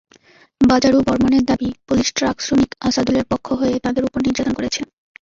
বাজারু বর্মণের দাবি, পুলিশ ট্রাকশ্রমিক আসাদুলের পক্ষ হয়ে তাঁদের ওপর নির্যাতন করেছে।